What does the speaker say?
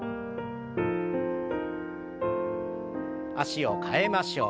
脚を替えましょう。